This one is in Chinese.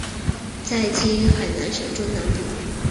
在今海南省中南部。